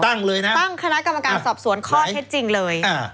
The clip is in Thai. เลยนะตั้งคณะกรรมการสอบสวนข้อเท็จจริงเลยอ่า